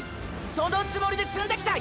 そのつもりで積んできた！！